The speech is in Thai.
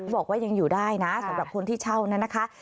บอกว่ายังอยู่ได้นะสำหรับคนที่เช่านั้นนะคะ